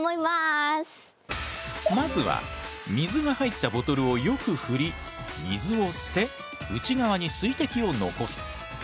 まずは水が入ったボトルをよく振り水を捨て内側に水滴を残す。